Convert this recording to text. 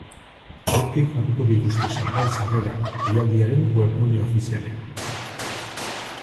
Aurki jarriko dituzte salgai sarrerak, jaialdiaren webgune ofizialean.